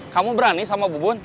kamu berani sama bu bun